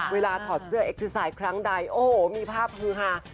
เวลาถอดเสื้อเอกซิไซค์ครั้งใดโอ้โหมีภาพภูมิค่ะ